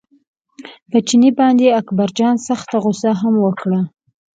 په چیني باندې اکبرجان سخته غوسه هم وکړه.